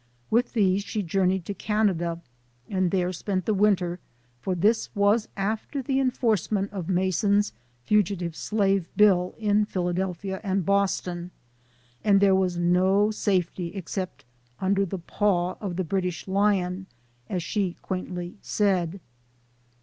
With these she journey ed to Canada, and there spent the winter, for this was after the enforcement of Mason's Fugitive Slave Bill in Philadelphia and Boston, and there was no safety except ' under the paw of the British Lion,' as she quaintly said.